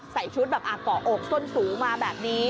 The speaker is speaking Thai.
ใส่ชุดแบบเกาะอกส้นสูงมาแบบนี้